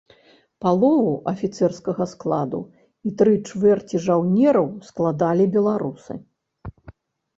Палову афіцэрскага складу і тры чвэрці жаўнераў складалі беларусы.